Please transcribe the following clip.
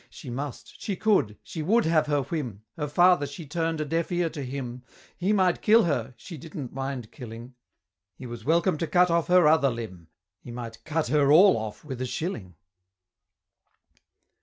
She must she could she would have her whim, Her father, she turn'd a deaf ear to him He might kill her she didn't mind killing! He was welcome to cut off her other limb He might cut her all off with a shilling!